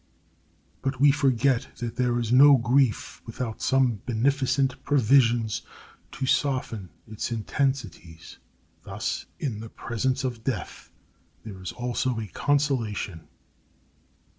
But we forget that there is no grief without some beneficent provisions to soften its intensities. Thus in the presence of death there is also a consolation.